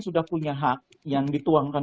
sudah punya hak yang dituangkan